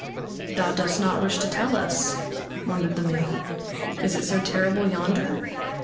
"Thou dost not wish to tell us," wondered the man, "is it so terrible yonder?"